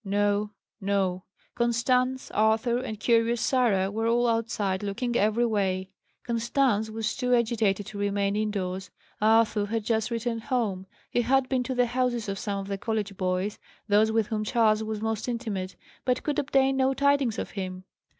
No, no; Constance, Arthur, and curious Sarah, were all outside, looking every way. Constance was too agitated to remain indoors. Arthur had just returned home. He had been to the houses of some of the college boys, those with whom Charles was most intimate, but could obtain no tidings of him.